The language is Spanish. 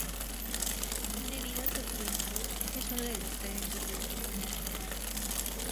Debido a su juventud, es uno de los talentos del equipo nacional.